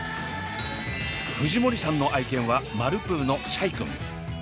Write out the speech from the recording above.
藤森さんの愛犬はマルプーのシャイくん。